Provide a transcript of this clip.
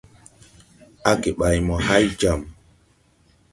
Age ɓay mo hay jam.